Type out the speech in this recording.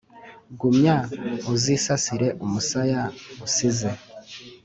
Gumya uzisasire umusaya usize